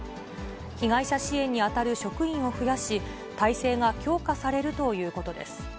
被害者支援に当たる職員を増やし、体制が強化されるということです。